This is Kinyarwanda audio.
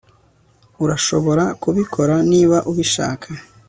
Urashobora kubikora niba ubishaka